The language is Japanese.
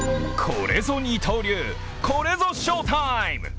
これぞ二刀流、これぞ翔タイム。